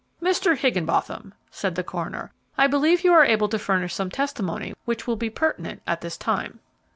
"Mr. Higgenbotham," said the coroner, "I believe you are able to furnish some testimony which will be pertinent at this time."